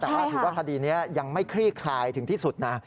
แต่ว่าถือว่าคดีนี้ยังไม่คลี่คลายถึงที่สุดนะ